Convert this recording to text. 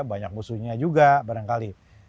banyak musuhnya juga barangkali